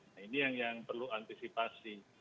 nah ini yang perlu antisipasi